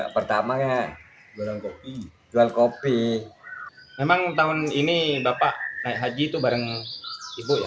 pertama ya goreng kopi jual kopi memang tahun ini bapak naik haji itu bareng ibu ya